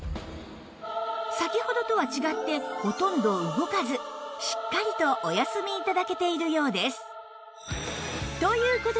先ほどとは違ってほとんど動かずしっかりとお休み頂けているようです